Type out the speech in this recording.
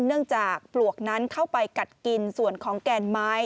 เนื่องจากปลวกนั้นเข้าไปกัดกินส่วนของแกนไม้